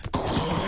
ああ。